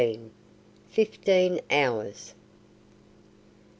FIFTEEN HOURS.